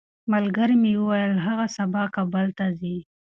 ملګري مې وویل چې هغه سبا کابل ته ځي.